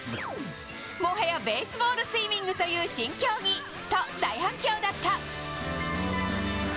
もはやベースボールスイミングという新競技と大反響だった。